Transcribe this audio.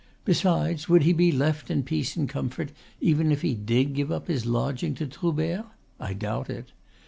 Besides, would he be left in peace and comfort even if he did give up his lodging to Troubert? I doubt it.